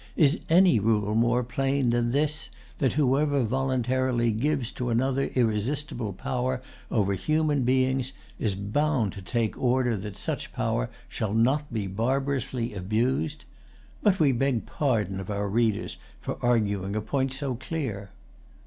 Is any rule more plain than this, that whoever voluntarily gives to[Pg 143] another irresistible power over human beings is bound to take order that such power shall not be barbarously abused? But we beg pardon of our readers for arguing a point so clear.